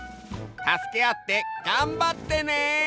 たすけあってがんばってね。